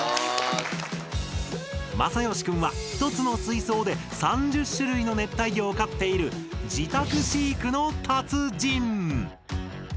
まさよしくんは一つの水槽で３０種類の熱帯魚を飼っている自宅飼育の達人。